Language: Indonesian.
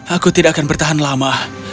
aku tidak akan bertahan lama